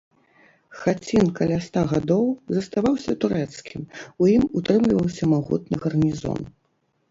Хацін каля ста гадоў заставаўся турэцкім, у ім утрымліваўся магутны гарнізон.